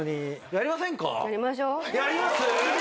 やります？